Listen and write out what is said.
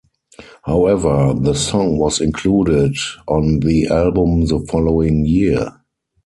However, the song was included on the album the following year.